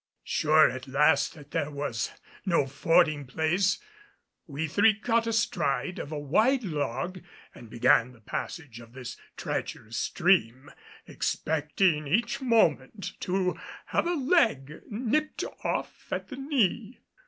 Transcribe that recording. Sure at last that there was no fording place, we three got astride of a wide log and began the passage of this treacherous stream, expecting each moment to have a leg nipped off at the knee.